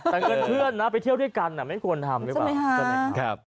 แต่เงินเพื่อนไปเที่ยวด้วยกันไม่ควรทำ